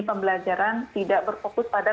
pembelajaran tidak berfokus pada